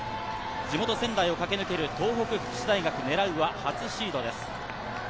地元・仙台を駆け抜ける東北福祉大学、狙うは初シードです。